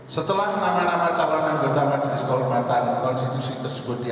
setelah nama nama calon anggota majelis kehormatan konstitusi tersebut diambil